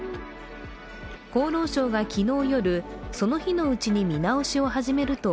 厚労省が昨日夜、その日のうちに見直しを始めると